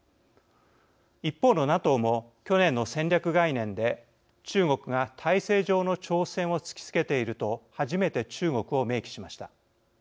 一方のＮＡＴＯも去年の戦略概念で中国が体制上の挑戦を突きつけていると初めて中国を明記しました。